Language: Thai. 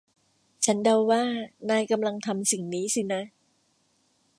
ฉันเดาว่านายกำลังทำสิ่งนี้สินะ